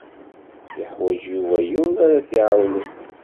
Yuḥwaǧ Yuba yiwen ara t-iɛawnen.